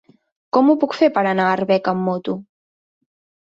Com ho puc fer per anar a Arbeca amb moto?